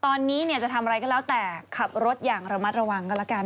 ตอนนี้จะทำอะไรก็แล้วแต่ขับรถอย่างระมัดระวังกันแล้วกัน